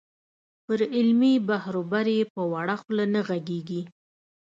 پر علمي بحروبر یې په وړه خوله نه غږېږې.